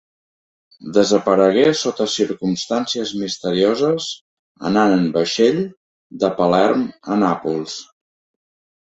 Desaparegué sota circumstàncies misterioses anant en vaixell de Palerm a Nàpols.